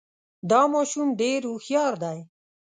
دا ماشوم ډېر هوښیار دی